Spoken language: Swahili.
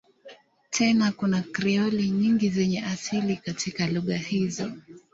Tena kuna Krioli nyingi zenye asili katika lugha hizo.